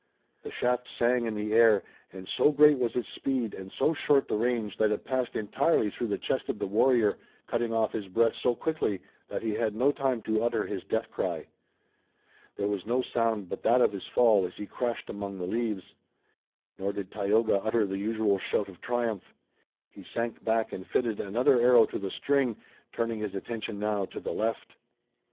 The shaft sang in the air, and so great was its speed and so short the range that it passed entirely through the chest of the warrior, cutting off his breath so quickly that he had no time to utter his death cry. There was no sound but that of his fall as he crashed among the leaves. Nor did Tayoga utter the usual shout of triumph. He sank back and fitted another arrow to the string, turning his attention now to the left.